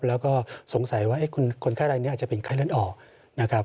แล้วก็สงสัยว่าคนไข้รายนี้อาจจะเป็นไข้เลือดออกนะครับ